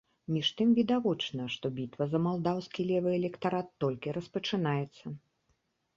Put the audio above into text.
Між тым, відавочна, што бітва за малдаўскі левы электарат толькі распачынаецца.